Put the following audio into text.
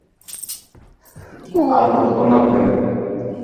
আর কতোক্ষণ লাগবে?